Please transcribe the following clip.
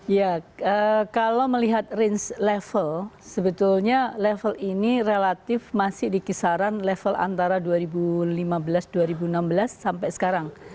ya kalau melihat range level sebetulnya level ini relatif masih di kisaran level antara dua ribu lima belas dua ribu enam belas sampai sekarang